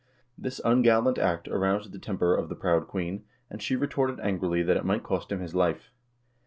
This ungallant act aroused the temper of the proud queen, and she retorted angrily that it might cost him his life.